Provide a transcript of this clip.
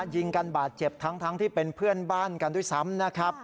ยิงกันบาดเจ็บทั้งที่เป็นเพื่อนบ้านกันด้วยซ้ำนะครับ